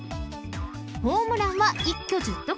［ホームランは一挙１０得点］